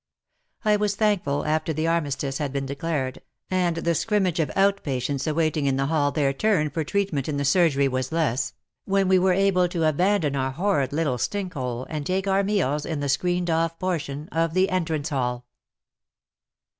I was thankful, after the armistice had been declared, and the scrimmage of out patients awaiting in the hall their turn for treatment in the surgery was less, when we were able to abandon our horrid little stink hole and take our meals in the screened off portion of the entrance hall.